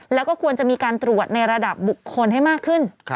แล้วก็ควรจะมีการตรวจในระดับบุคคลให้มากขึ้น